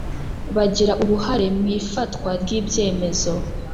bagira uruhare mu ifatwa ry’ibyemezo